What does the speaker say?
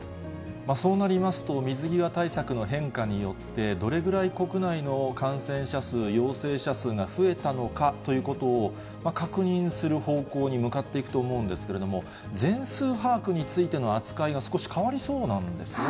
そうなりますと、水際対策の変化によって、どれぐらい国内の感染者数、陽性者数が増えたのかということを確認する方向に向かっていくと思うんですけれども、全数把握についての扱いが少し変わりそうなんですよね。